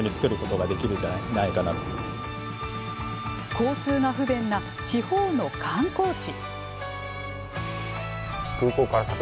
交通が不便な地方の観光地。